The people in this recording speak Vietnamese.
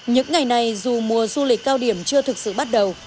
những ngày này dù mùa du lịch cao điểm chưa thực sự bắt đầu